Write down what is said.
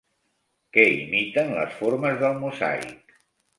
Què imiten les formes del mosaic?